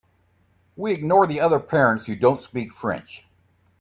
We ignore the other parents who don’t speak French.